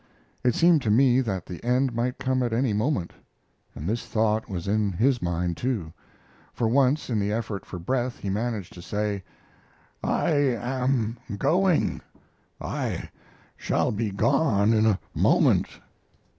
It seemed to me that the end might come at any moment, and this thought was in his mind, too, for once in the effort for breath he managed to say: "I am going I shall be gone in a moment."